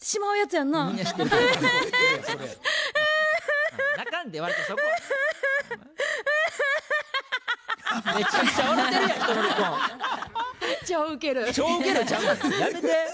やめて。